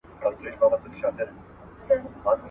بد نيت زړه توره وي.